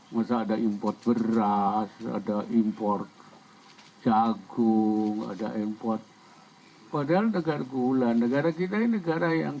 masa ada import beras ada import jagung ada import padahal negar gula negara kita ini negara yang